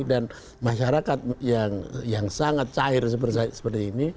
dan masyarakat yang sangat cair seperti ini